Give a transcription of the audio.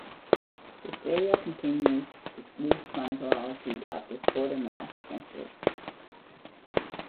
The serial continues the loose chronology of the Quatermass adventures.